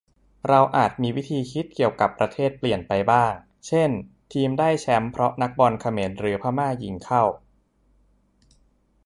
เราอาจมีวิธีคิดเกี่ยวกับประเทศเปลี่ยนไปบ้าง เช่นทีมได้แช้มป์เพราะนักบอลเขมรหรือพม่ายิงเข้า